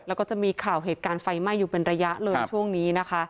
แล้วก็จะมีข่าวเหตุการณ์ไฟไหม้อยู่เป็นระยะเลยช่วงนี้นะคะ